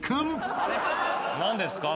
何ですか？